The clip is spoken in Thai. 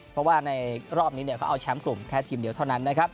เพราะว่าในรอบนี้เขาเอาแชมป์กลุ่มแค่ทีมเดียวเท่านั้นนะครับ